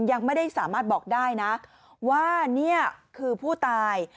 ยังไม่ได้สามารถบอกได้นะว่านี่คือผู้ตาย